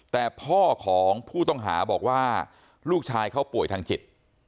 แต่พ่อของผู้ต้องหาบอกว่าลูกชายเขาป่วยทางจิต